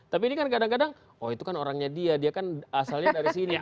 tapi ini kan kadang kadang oh itu kan orangnya dia dia kan asalnya dari sini